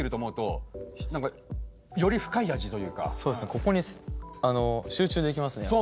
ここに集中できますねやっぱ。